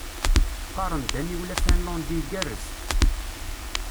Qqaren-d aniwel afinlandi igerrez.